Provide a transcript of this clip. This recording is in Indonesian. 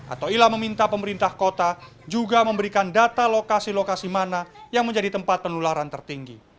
atoila meminta pemerintah kota juga memberikan data lokasi lokasi mana yang menjadi tempat penularan tertinggi